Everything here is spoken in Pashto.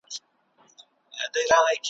شا او مخي ته یې ووهل زورونه`